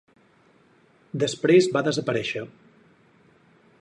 Després va desaparèixer.